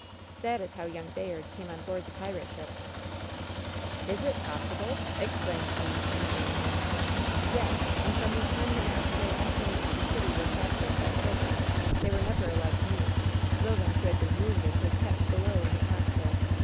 That is how young Bayard came on board the pirate ship." "Is — it — ^possible !" exclaimed Le, in amazement. WHEN SHADOWS DIE 106 "Yes; and from the time the master and mate of the Kitty were captured by Silver they were never allowed to meet Koland, who had been wounded, was kept below in the cockpit.